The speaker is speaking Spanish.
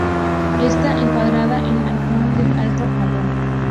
Está encuadrada en el Arciprestazgo del Alto Jalón.